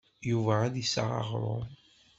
Yuba ad d-iseɣ aɣrum.